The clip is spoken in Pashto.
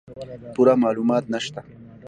پوره معلومات نشته